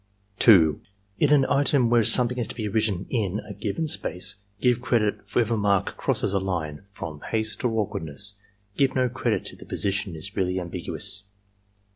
2. In an item where something is to be written "in" a given space, give credit if a mark crosses a line from haste or awk wardness; give no credit if the position is really ambiguous.